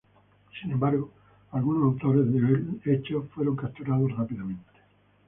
Sin embargo, algunos autores del hecho fueron capturados rápidamente.